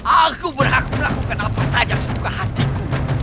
aku berharap melakukan apa saja seluruh hatiku